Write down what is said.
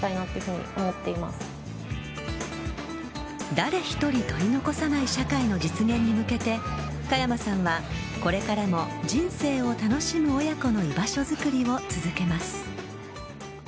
誰１人取り残さない社会の実現に向けて佳山さんはこれからも人生を楽しむ親子の居場所づくりを続けます。